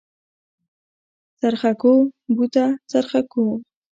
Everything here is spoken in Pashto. څرخکو بوته څرخکو.